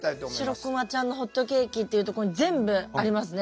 「しろくまちゃんのほっとけーき」っていうところに全部ありますね